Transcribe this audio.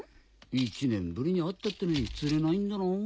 １年ぶりに会ったってのにつれないんだなぁ。